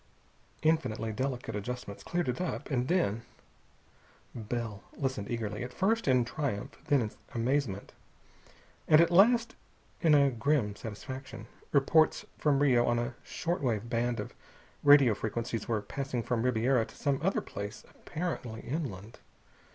Infinitely delicate adjustments cleared it up. And then.... Bell listened eagerly, at first in triumph, then in amazement, and at last in a grim satisfaction. Reports from Rio on a short wave band of radio frequencies were passing from Ribiera to some other place apparently inland.